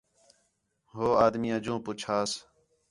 ہو آدمی آجوں پُچھس